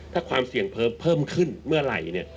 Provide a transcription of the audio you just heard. ถ้าความเสี่ยงเพิ่มขึ้นเมื่อไหร่เนี่ย